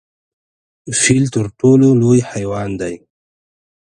فیل تر ټولو لوی حیوان دی؟